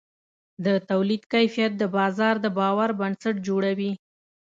د تولید کیفیت د بازار د باور بنسټ جوړوي.